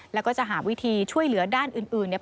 แล้วก็จะหาวิธีช่วยเหลือด้านอื่นเนี่ย